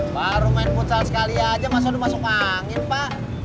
baru main futsal sekali aja masa udah masuk angin pak